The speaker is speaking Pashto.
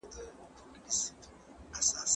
اساس شوي او بیان